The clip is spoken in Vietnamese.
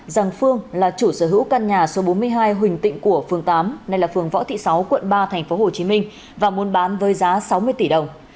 rằng phương là chủ sở hữu căn nhà số bốn mươi hai huỳnh tịnh của phương võ thị sáu quận ba tp hcm và muốn bán với giá sáu mươi tỷ đồng